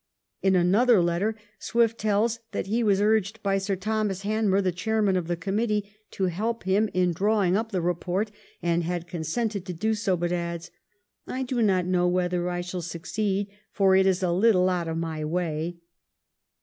In another letter Swift tells that he was urged by Sir Thomas Hanmer, the chairman of the committee, to help him in drawing up the report and had consented to do so, but adds, ' I do not know whether I shaU succeed, for it is a little out of my way.'